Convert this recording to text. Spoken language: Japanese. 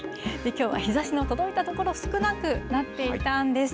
きょうは日ざしの届いた所、少なくなっていたんです。